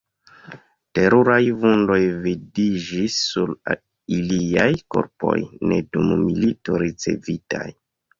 Teruraj vundoj vidiĝis sur iliaj korpoj, ne dum milito ricevitaj.